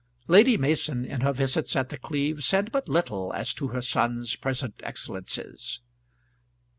Lady Mason in her visits at The Cleeve said but little as to her son's present excellences.